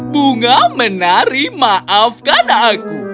bunga menari maafkan aku